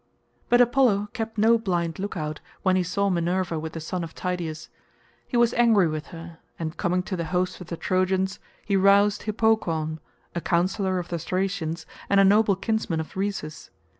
But Apollo kept no blind look out when he saw Minerva with the son of Tydeus. He was angry with her, and coming to the host of the Trojans he roused Hippocoon, a counsellor of the Thracians and a noble kinsman of Rhesus.